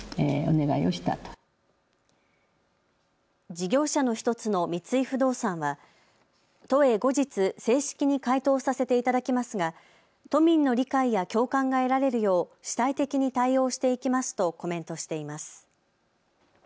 事業者の１つの三井不動産は都へ後日、正式に回答させていただきますが都民の理解や共感が得られるよう主体的に対応していきますとコメントしています。